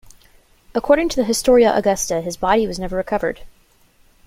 According to the "Historia Augusta", his body was never recovered.